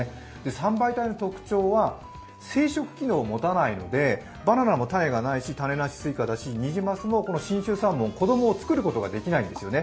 三倍体の特徴は生殖機能を持たないのでバナナも種がないし、種なしスイカだしニジマスも信州サーモン、子どもを作ることができないんですよね。